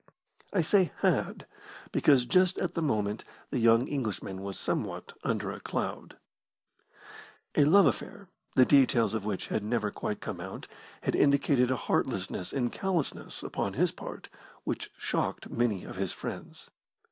I say "had," because just at the moment the young Englishman was somewhat under a cloud. A love affair, the details of which had never quite come out, had indicated a heartlessness and callousness upon his part which shocked many of his friends.